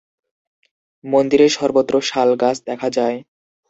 মন্দিরের সর্বত্র 'সাল' গাছ দেখা যায়।